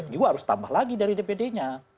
juga harus tambah lagi dari dpd nya